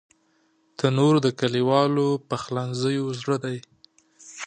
تنور د کلیوالو پخلنځیو زړه دی